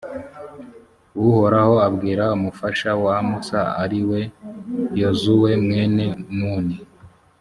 uhoraho abwira umufasha wa musa, ari we yozuwe mwene nuni.